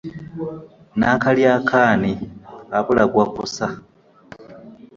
Nnakalyako ani, abula gwakussa .